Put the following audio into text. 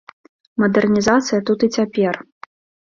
Мадэрнізацыя тут і цяпер.